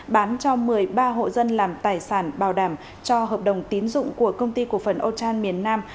bán cho một mươi ba hộ dân làm tài sản bảo đảm cho hợp đồng tín dụng của công ty cổ phần otan miền nam